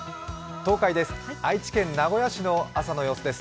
東海です、愛知県名古屋市の朝の様子です。